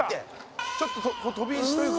ちょっと飛び石というか。